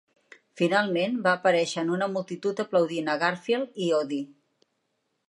Finalment va aparèixer en una multitud aplaudint a Garfield i Odie.